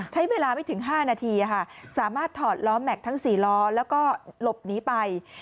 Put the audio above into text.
ใช้เวลาไม่ถึง๕นาทีสามารถถอดล้อแม็กซ์ทั้ง๔ล้อแล้วก็หลบหนีไป